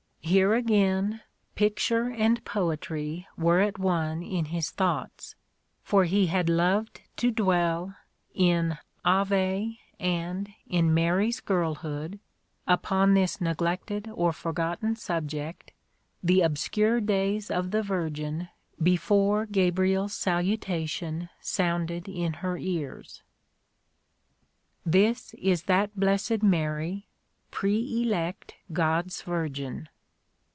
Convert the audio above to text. Here, again, picture and poetry were at one in his thoughts : for he had loved to dwell, in Ave and in Mary's Girlhood^ upon this neglected or forgotten sub ject, the obscure days of the Virgin before GabrieFs salutation sounded in her ears. This is that blessed Mary, pre elect God's Virgin.